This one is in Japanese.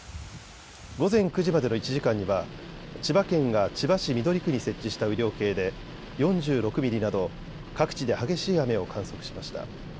午前９時までの１時間には千葉県が千葉市緑区に設置した雨量計で４６ミリなど各地で激しい雨を観測しました。